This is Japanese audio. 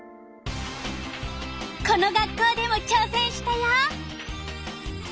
この学校でもちょうせんしたよ。